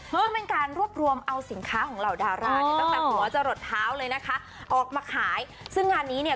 นั่นเป็นการรวบรวมเอาสินค้าของเหล่าดาราตั้งตั้งหัวจะหลดเท้าเลยนะคะออกมาขาย